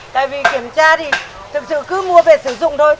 tại vì kiểm tra thì thực sự cứ mua về sử dụng thôi